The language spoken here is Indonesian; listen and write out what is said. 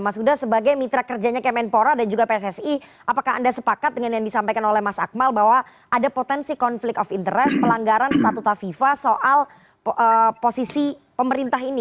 mas huda sebagai mitra kerjanya kemenpora dan juga pssi apakah anda sepakat dengan yang disampaikan oleh mas akmal bahwa ada potensi konflik of interest pelanggaran statuta fifa soal posisi pemerintah ini